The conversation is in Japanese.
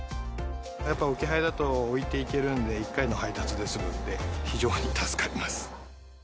やっぱ置き配だと置いていけるんで、１回の配達で済むんで、非常に助かります。